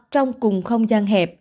trong cùng không gian hẹp